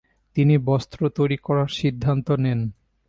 তিনি বস্ত্র তৈরি করার সিদ্ধান্ত নেন।